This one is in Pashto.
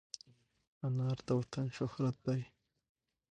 انار د وطن شهرت دی.